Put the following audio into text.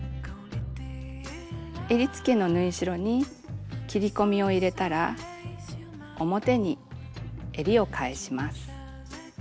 えりつけの縫い代に切り込みを入れたら表にえりを返します。